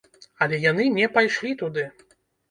Але яны не пайшлі туды.